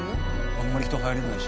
あんまり人入れないし。